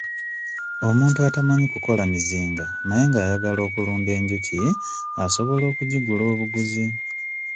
Omuntu atamanyi kukola mizinga naye ng'ayagala okulunda enjuki asobola okugigula obuguzi.